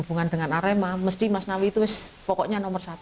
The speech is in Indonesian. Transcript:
jadi hubungan dengan arema mas nawi itu pokoknya nomor satu